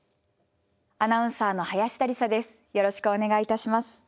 アナウンサーの林田理沙です。